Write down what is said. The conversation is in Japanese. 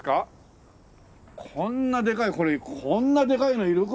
こんなでかいこれこんなでかいのいる？